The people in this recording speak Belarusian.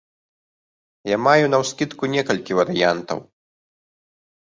Я маю наўскідку некалькі варыянтаў.